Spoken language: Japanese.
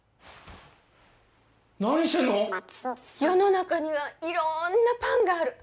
何してんの⁉世の中にはいろんなパンがある。